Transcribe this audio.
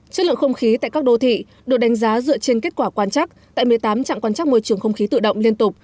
chất lượng không khí tại các đô thị được đánh giá dựa trên kết quả quan trắc tại một mươi tám trạng quan trắc môi trường không khí tự động liên tục